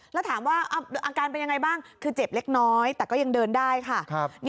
แล้วถามว่าอาการเป็นยังไงบ้างคือเจ็บเล็กน้อยแต่ก็ยังเดินได้ค่ะ